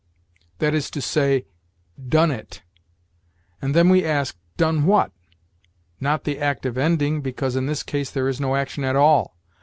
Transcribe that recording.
That is to say, done it. And then we ask, Done what? Not the act of ending, because in this case there is no action at all.